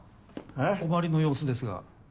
お困りの様子ですが。